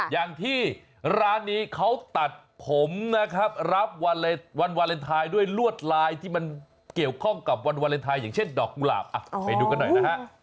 อย่างที่ร้านนี้เขาตัดผมนะครับรับวันวาเลนไทยด้วยลวดลายที่มันเกี่ยวข้องกับวันวาเลนไทยอย่างเช่นดอกกุหลาบไปดูกันหน่อยนะฮะ